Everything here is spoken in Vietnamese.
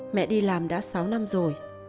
mẹ đi làm đã sáu năm rồi